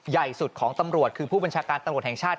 ใหญ่สุดของตำรวจคือผู้บัญชาการตำรวจแห่งชาติ